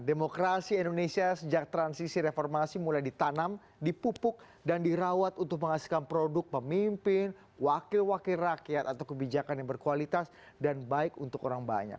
demokrasi indonesia sejak transisi reformasi mulai ditanam dipupuk dan dirawat untuk menghasilkan produk pemimpin wakil wakil rakyat atau kebijakan yang berkualitas dan baik untuk orang banyak